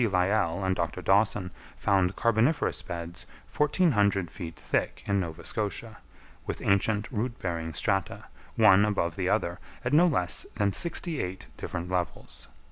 Lyell and Dr. Dawson found carboniferous beds 1,400 feet thick in Nova Scotia, with ancient root bearing strata, one above the other, at no less than sixty eight different levels.